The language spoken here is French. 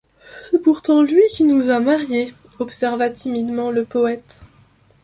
C’est pourtant lui qui nous a mariés, observa timidement le poëte.